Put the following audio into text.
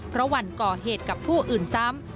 เพราะวันก่อเหตุกับผู้อื่นซ้ำ